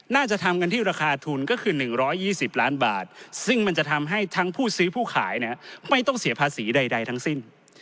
น่าจะทำกันที่ราคาทุนก็คือ๑๒๐ล้านบาทซึ่งมันจะทำให้ทั้งผู้ซื้อผู้ขายไม่ต้องเสียภาษีใดทั้งสิ้น